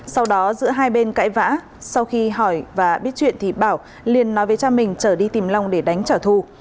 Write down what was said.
sau đó giữa hai bên cãi vã sau khi hỏi và biết chuyện thì bảo liền nói với cha mình trở đi tìm long để đánh trả thù